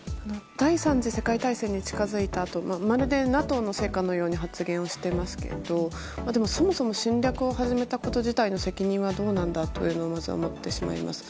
第３次世界大戦に近づいたとまるでＮＡＴＯのせいかのような発言をしていますけどそもそも侵略を始めたこと自体の責任はどうなんだとまず、思ってしまいます。